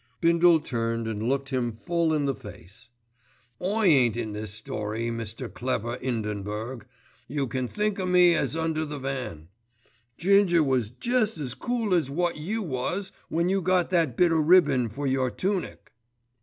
Bindle turned and looked him full in the face. "I ain't in this story, Mr. Clever 'Indenburg. You can think o' me as under the van. Ginger was jest as cool as wot you was when you got that bit o' ribbon for your tunic."